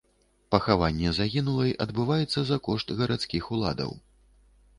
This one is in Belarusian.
Пахаванне загінулай адбываецца за кошт гарадскіх уладаў.